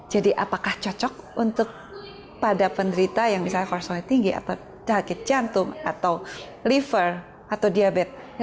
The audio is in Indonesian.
jadi apakah cocok untuk pada penderita yang misalnya kolesterol tinggi atau sakit jantung atau liver atau diabetes